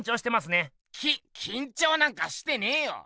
ききんちょうなんかしてねえよ。